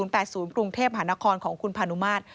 ๒๐๘๐ปรุงเทพฯหานครของคุณพนุมาตย์